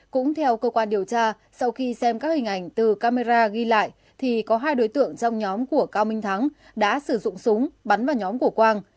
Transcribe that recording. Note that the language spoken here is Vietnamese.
cũng theo cơ quan điều tra sau khi xem các hình ảnh từ camera ghi lại thì có hai đối tượng trong nhóm của cao minh thắng đã sử dụng súng bắn vào nhóm của quang